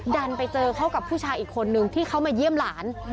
ดันไปเจอเขากับผู้ชายอีกคนนึงที่เขามาเยี่ยมหลาน